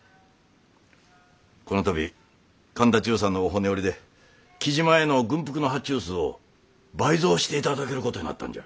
この度神田中佐のお骨折りで雉真への軍服の発注数を倍増していただけることになったんじゃ。